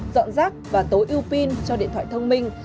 dọn rác và tối ưu pin cho điện thoại thông minh